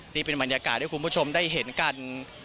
นี่เป็นบรรยากาศให้คุณผู้ชมได้เห็นกัน